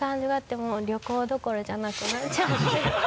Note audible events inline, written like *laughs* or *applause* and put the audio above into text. もう旅行どころじゃなくなっちゃって *laughs*